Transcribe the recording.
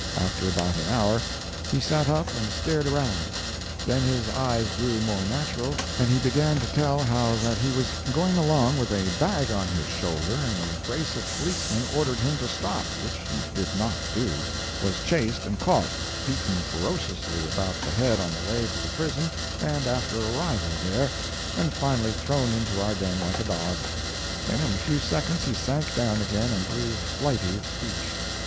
After about an hour, he sat up and stared around; then his eyes grew more natural and he began to tell how that he was going along with a bag on his shoulder and a brace of policemen ordered him to stop, which he did not do—was chased and caught, beaten ferociously about the head on the way to the prison and after arrival there, and finally thrown into our den like a dog. And in a few seconds he sank down again and grew flighty of speech.